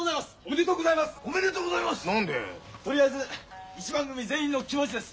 とりあえず一番組全員の気持ちです。